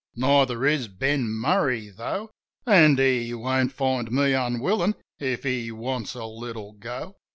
.. Neither is Ben Murray though ! An' he won't find me unwillin' if he wants a little go.